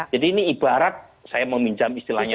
jadi ini ibarat saya meminjam istilahnya